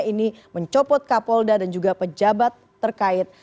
ini mencopot kapolda dan juga pejabat terkait